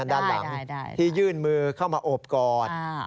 ด้านหลังที่ยื่นมือเข้ามาโอบกอด